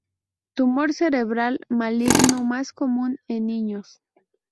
Tumor cerebral maligno más común en niños.